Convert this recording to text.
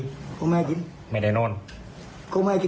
พี่หุยรู้มั้ยเขาทำอะไรอยู่ในห้องนอนในมือถื